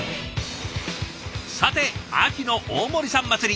さて秋の大盛りさん祭り。